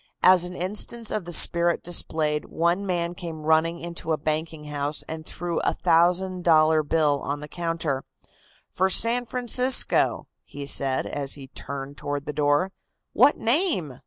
As an instance of the spirit displayed, one man came running into a banking house and threw a thousand dollar bill on the counter. "For San Francisco," he said, as he turned toward the door. "What name?"